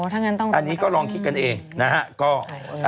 อันนี้ก็ลองคิดกันเองนะฮะ